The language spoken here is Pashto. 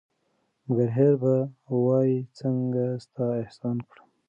مگر هېر به وایه څنگه ستا احسان کړم